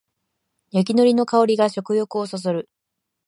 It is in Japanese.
焼きのりの香りが食欲をそそる